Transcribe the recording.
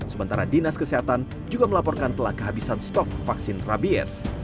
sementara dinas kesehatan juga melaporkan telah kehabisan stok vaksin rabies